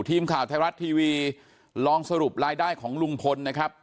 ทีมข่าวไทยรัฐทีวีลองสรุปรายได้ของลุงพลนะครับ